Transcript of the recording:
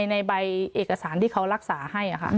ในใบเอกสารที่เขารักษาให้